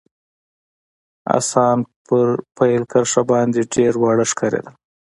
اسان پر پیل کرښه باندي ډېر واړه ښکارېدل.